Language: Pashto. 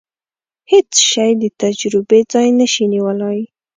هیڅ شی د تجربې ځای نشي نیولای.